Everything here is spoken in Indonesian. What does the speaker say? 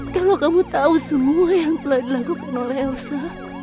kalau kamu tahu semua yang telah dilakukan oleh elsa